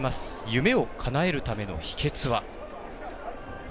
夢をかなえるための秘けつは？